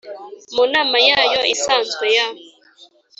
Mu nama yayo isanzwe ya